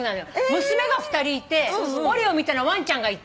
娘が２人いてオレオみたいなワンちゃんがいて。